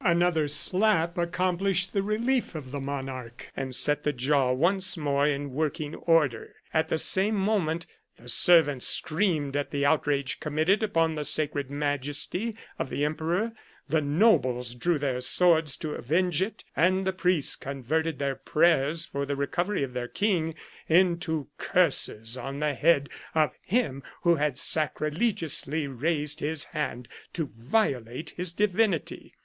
Another slap accomplished the relief of the monarch, and set the jaw once more in working orden At the same moment the servants screamed at the outrage committed upon the sacred majesty of the emperor, the nobles drew their swords to avenge it, and the priests converted their prayers for the re covery of their king into curses on the head of him who had sacrilegiously raised his hand to violate his divinity.